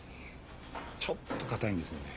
ちょっと硬いんですよね。